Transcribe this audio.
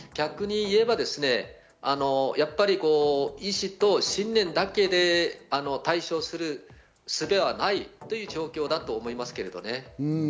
逆に言えば、意思と信念だけで対処するすべはない状況だと思いますけどね。